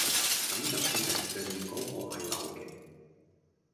咁就證明上面嗰個係流嘅